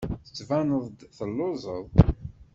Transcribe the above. Tettbaneḍ-d telluẓeḍ.